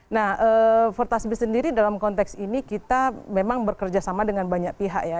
nah fortas b sendiri dalam konteks ini kita memang bekerja sama dengan banyak pihak ya